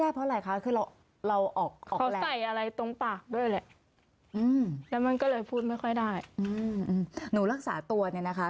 ด้วยแหละอืมแล้วมันก็เลยพูดไม่ค่อยได้อืมอืมหนูรักษาตัวเนี้ยนะคะ